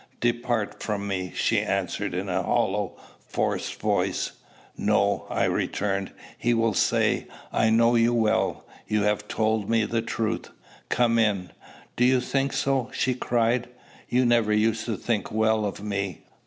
"Depart from me," she answered in a hollow, forced voice. "No," I returned. "He will say, 'I know you well. You have told me the truth. Come in.'" "Do you think so?" she cried. "You never used to think well of me."